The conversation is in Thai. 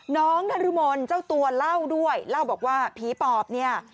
นรมนเจ้าตัวเล่าด้วยเล่าบอกว่าผีปอบเนี่ย